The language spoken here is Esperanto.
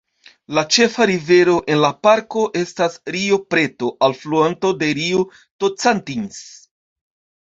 La ĉefa rivero en la parko estas Rio Preto, alfluanto de Rio Tocantins.